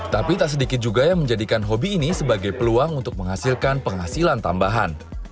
tapi tak sedikit juga yang menjadikan hobi ini sebagai peluang untuk menghasilkan penghasilan tambahan